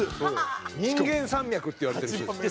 「人間山脈」って言われてる人ですよ。